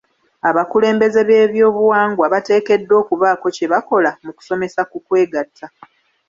Abakulembeze b'ebyobuwangwa bateekeddwa okubaako kye bakola mu kusomesa ku kwegatta.